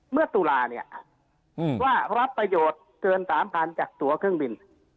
ตุลาเนี่ยว่ารับประโยชน์เกิน๓๐๐๐จากตัวเครื่องบิน